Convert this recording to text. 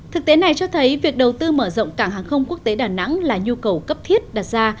thực tế này cho thấy việc đầu tư mở rộng cảng hàng không quốc tế đà nẵng là nhu cầu cấp thiết đặt ra